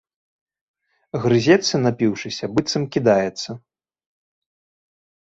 Грызецца, напіўшыся, біцца кідаецца.